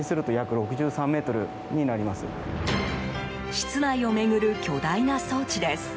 室内を巡る巨大な装置です。